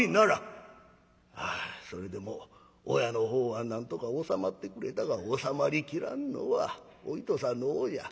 それでも親のほうはなんとか収まってくれたが収まりきらんのはお糸さんのほうじゃ。